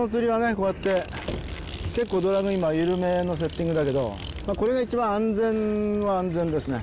こうやって結構ドラグ今緩めのセッティングだけどまぁこれがいちばん安全は安全ですね